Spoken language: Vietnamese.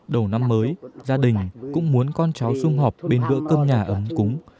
đầu năm mới gia đình cũng muốn con cháu xung họp bên bữa cơm nhà ấm cúng